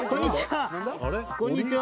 こんにちは！